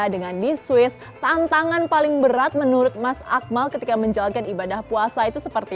dengan di swiss tantangan paling berat menurut mas akmal ketika menjalankan ibadah puasa itu seperti